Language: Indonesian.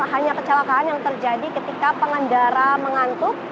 hanya kecelakaan yang terjadi ketika pengendara mengantuk